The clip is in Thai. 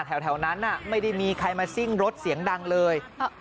แถวนั้นไม่ได้มีใครมาซิ่งรถเสียงดังเลย